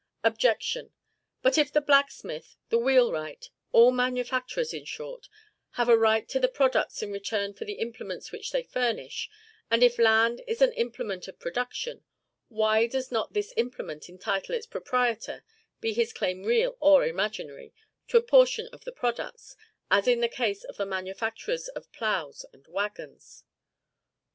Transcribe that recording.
OBJECTION. But if the blacksmith, the wheelwright, all manufacturers in short, have a right to the products in return for the implements which they furnish; and if land is an implement of production, why does not this implement entitle its proprietor, be his claim real or imaginary, to a portion of the products; as in the case of the manufacturers of ploughs and wagons?